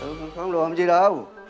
tôi không khám đồ làm gì đâu